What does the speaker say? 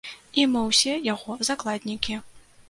І мы ўсе яго закладнікі.